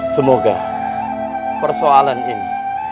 semoga persoalan ini